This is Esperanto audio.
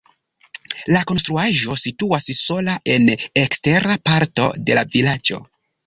La konstruaĵo situas sola en ekstera parto de la vilaĝo.